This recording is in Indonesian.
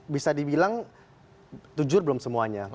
bisa dibilang jujur belum semuanya